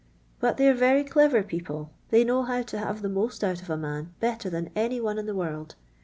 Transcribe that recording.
But they are very clever people. They know how to have the most out of a man, better than any one in the world.